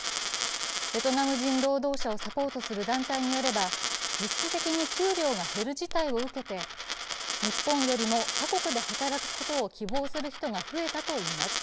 ベトナム人労働者をサポートする団体によれば、実質的に給料が減る事態を受けて日本よりも他国で働くことを希望する人が増えたといいます。